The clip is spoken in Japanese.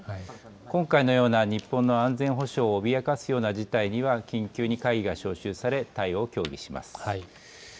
今回のような日本の安全保障を脅かすような事態には緊急に会議が招集され対応を協議します。